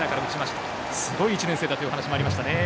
すごい１年生だというお話もありましたね。